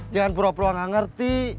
jangan pura pura nggak ngerti